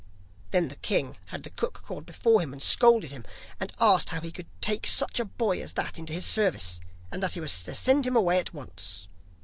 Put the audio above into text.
Then the king had the cook called before him and scolded him, and asked how he could take such a boy as that into his service; and that he was to send him away at once.